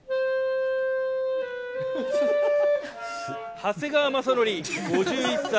長谷川雅紀５１歳。